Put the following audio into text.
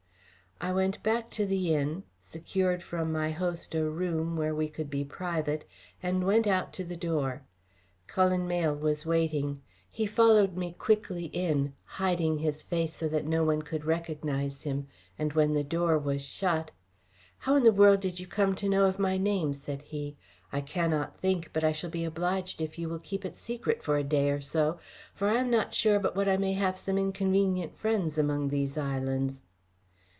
'" I went back to the inn, secured from my host a room where we could be private, and went out to the door. Cullen Mayle was waiting; he followed me quickly in, hiding his face so that no one could recognise him, and when the door was shut "How in the world did you come to know of my name?" said he. "I cannot think, but I shall be obliged if you will keep it secret for a day or so, for I am not sure but what I may have some inconvenient friends among these islands."